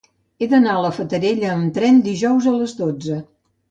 He d'anar a la Fatarella amb tren dijous a les dotze.